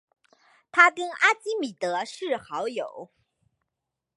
他跟阿基米德是好友。